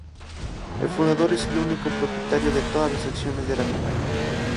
El fundador es el único propietario de todas las acciones de la compañía.